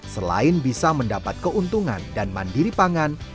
selain bisa mendapat keuntungan dan mandiri pangan